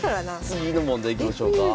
次の問題いきましょうか？